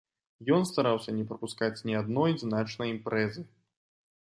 Ён стараўся не прапускаць ні адной значнай імпрэзы.